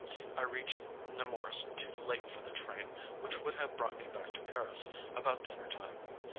I reached Nemours too late for the train which would have brought me back to Paris about dinner time.